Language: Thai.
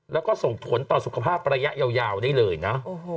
แล้วก็ส่งผลต่อสุขภาพระยะยาวได้เลยนะ